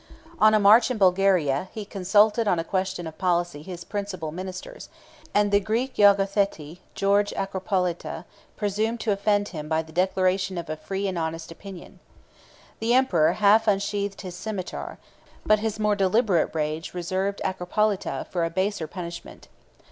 On a march in Bulgaria, he consulted on a question of policy his principal ministers; and the Greek logothete, George Acropolita, presumed to offend him by the declaration of a free and honest opinion. The emperor half unsheathed his cimeter; but his more deliberate rage reserved Acropolita for a baser punishment.